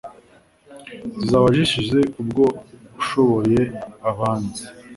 Zizaba zishize Ubwo ushoboye abanzi